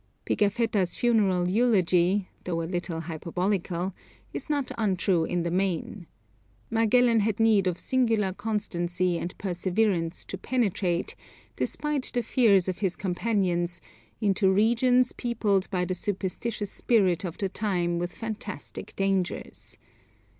Pigafetta's funeral eulogy, though a little hyperbolical, is not untrue in the main. Magellan had need of singular constancy and perseverance to penetrate, despite the fears of his companions, into regions peopled by the superstitious spirit of the time with fantastic dangers.